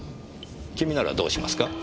君ならどうしますか？